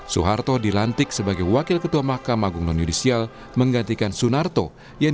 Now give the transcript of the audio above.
soeharto dilantik sebagai wakil ketua mahkamah agung non yudisial menggantikan sunarto yang